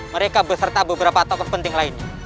mereka beserta beberapa tokoh penting lainnya